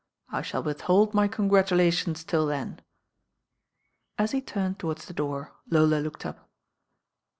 I shall withhold my congratula tions till then." As he turned towards the door Lola looked up.